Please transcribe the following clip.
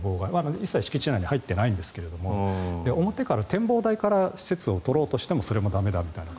一切、敷地内に入ってないんですが展望台から施設を撮ろうとしてもそれも駄目だった。